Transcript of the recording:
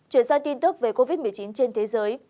chuyển sang tin tức về covid một mươi chín trên thế giới